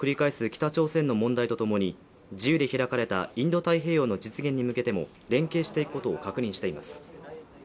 北朝鮮の問題とともに自由で開かれたインド太平洋の実現に向けても連携していくことを確認しています。